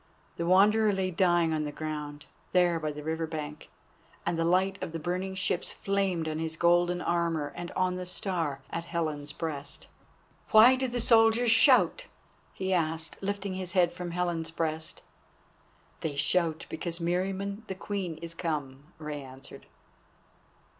The Wanderer lay dying on the ground, there by the river bank, and the light of the burning ships flamed on his golden armour, and on the Star at Helen's breast. "Why do the soldiers shout?" he asked, lifting his head from Helen's breast. "They shout because Meriamun the Queen is come," Rei answered.